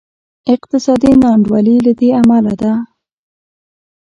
اقتصادي نا انډولي له دې امله ده.